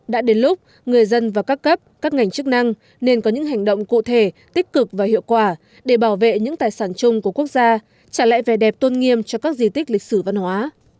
đã đến lúc người dân và các cấp các ngành chức năng nên có những hành động cụ thể tích cực và hiệu quả để bảo vệ những tài sản chung của quốc gia trả lại vẻ đẹp tôn nghiêm cho các di tích lịch sử văn hóa